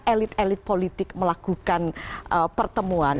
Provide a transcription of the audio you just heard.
elit elit politik melakukan pertemuan